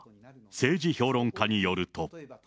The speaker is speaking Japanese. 政治評論家によると。